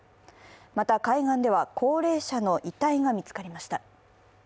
また、海岸では高齢者の遺体が見つかりました。